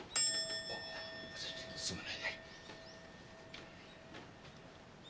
ああすまないね。